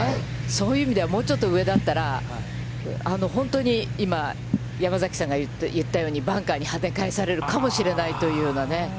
そういう意味では、もうちょっと上だったら本当に今、山崎さんが言ったように、バンカーにはね返されるかもしれないというね。